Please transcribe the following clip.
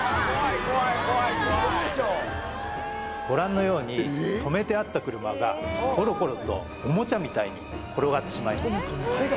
ご覧のように止めてあった車がコロコロとオモチャみたいに転がってしまいます